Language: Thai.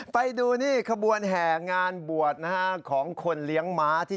ไปดูเนี่ยความแห่งงานบรวดนะคะของคนเลี้ยงมาที่